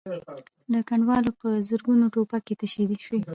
له کنډوالو په زرګونو ټوپکې تشې شوې.